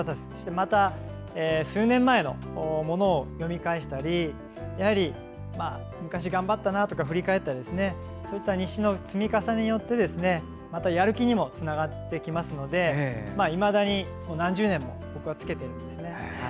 また数年前のものを読み返したり昔、頑張ったなとか振り返ったり日誌の積み重ねによってまた、やる気にもつながってきますのでいまだに何十年もつけています。